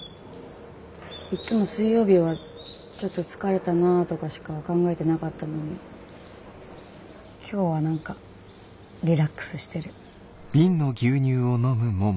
いっつも水曜日はちょっと疲れたなとかしか考えてなかったのに今日は何かリラックスしてる。